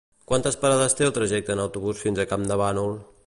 Quantes parades té el trajecte en autobús fins a Campdevànol?